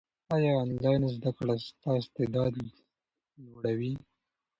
ایا انلاین زده کړه ستا استعداد لوړوي؟